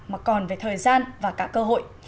mà còn về thời gian và cả cơ hội